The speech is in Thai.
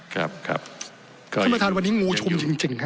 ท่านประธานวันนี้งูชุมจริงครับ